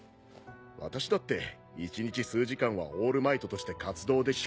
私だって一日数時間はオールマイトとして活動でき。